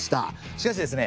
しかしですね